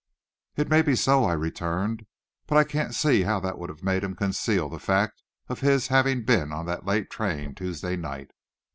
"It may be so," I returned, "but I can't see how that would make him conceal the fact of his having been on that late train Tuesday night.